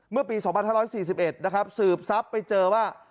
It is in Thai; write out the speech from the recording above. เมื่อปี๒๕๔๑นะครับสืบทรัพย์ไปเจอว่า